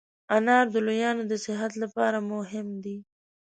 انار د لویانو د صحت لپاره مهم دی.